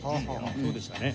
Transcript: そうでしたね。